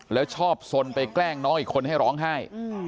แล้วชอบสนไปแกล้งน้องอีกคนให้ร้องไห้